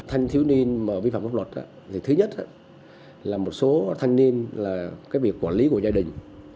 thanh tiêu niên vi phạm pháp luật thứ nhất là một số thanh niên là việc quản lý của gia đình